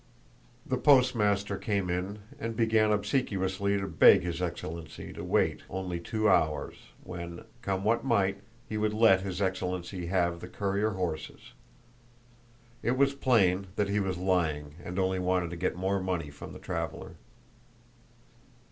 The postmaster came in and began obsequiously to beg his excellency to wait only two hours, when, come what might, he would let his excellency have the courier horses. It was plain that he was lying and only wanted to get more money from the traveler.